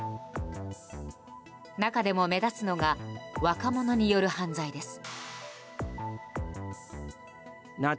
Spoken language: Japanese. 中でも目立つのが若者による犯罪です。